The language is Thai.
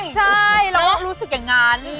จริง